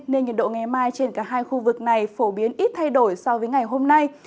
nên nhiệt độ ngày mai trên cả hai khu vực này phổ biến ít thay đổi so với ngày hôm nay